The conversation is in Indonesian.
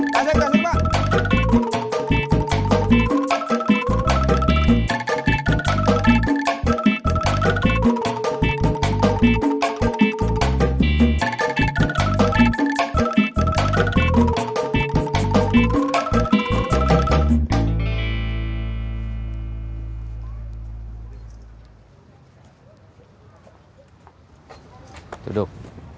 tasik tasik pak